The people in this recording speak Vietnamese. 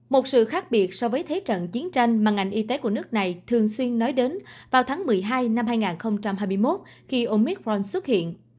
một sự khác biệt so với thế trận chiến tranh mà ngành y tế của nước này thường xuyên nói đến vào tháng một mươi hai năm hai nghìn hai mươi một khi omicron xuất hiện